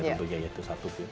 tentu saja ya itu satu bu